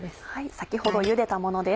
先ほどゆでたものです。